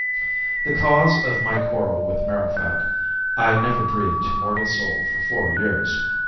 The cause of my quarrel with Marrowfat I never breathed to mortal soul for four years.